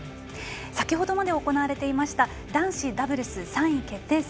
先ほどまで行われていました男子ダブルス３位決定戦。